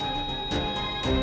kamu juga harus kuat